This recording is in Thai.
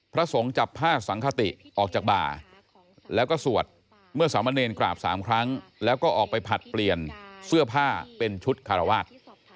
พระสงฆ์จับผ้าสังคติออกจากบ่าแล้วก็สวดเมื่อสามะเนรกราบ๓ครั้งแล้วก็ออกไปผลัดเปลี่ยนเสื้อผ้าเป็นชุดคารวาส